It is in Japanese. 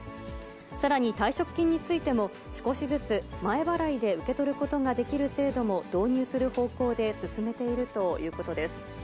さらに退職金についても、少しずつ前払いで受け取ることができる制度も導入する方向で進めているということです。